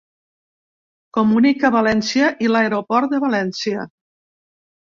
Comunica València i l'aeroport de València.